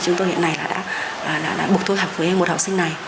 chúng tôi hiện nay đã bục tôi học với một học sinh này